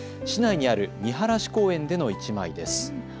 市内にある見晴公園での１枚です。